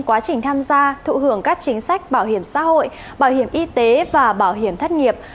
quá trình tham gia thụ hưởng các chính sách bảo hiểm xã hội bảo hiểm y tế và bảo hiểm thất nghiệp